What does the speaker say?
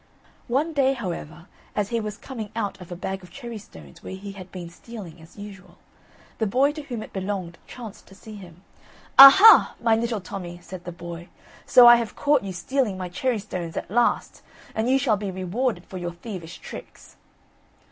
One day, however, as he was coming out of a bag of cherry stones, where he had been stealing as usual, the boy to whom it belonged chanced to see him. "Ah, ah! my little Tommy," said the boy, "so I have caught you stealing my cherry stones at last, and you shall be rewarded for your thievish tricks."